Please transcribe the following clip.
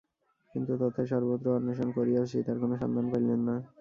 কিন্তু তথায় সর্বত্র অন্বেষণ করিয়াও সীতার কোন সন্ধান পাইলেন না।